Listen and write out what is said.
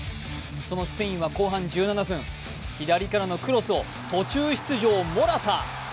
そのスペインは後半１７分左からのクロスを途中出場のモラタ！